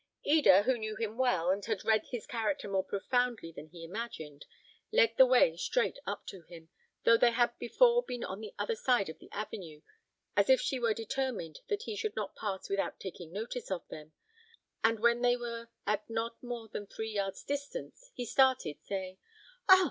Eda, who knew him well, and had read his character more profoundly than he imagined, led the way straight up to him, though they had before been on the other side of the avenue, as if she were determined that he should not pass without taking notice of them, and when they were at not more than three yards' distance, he started, saying, "Ah!